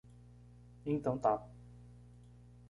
Então tá.